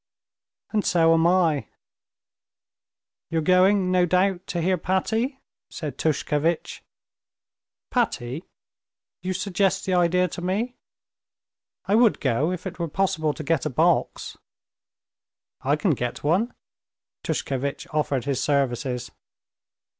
"And so am I." "You're going, no doubt, to hear Patti?" said Tushkevitch. "Patti? You suggest the idea to me. I would go if it were possible to get a box." "I can get one," Tushkevitch offered his services.